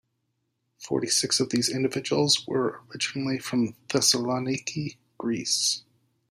Forty-six of these individuals were originally from Thessaloniki, Greece.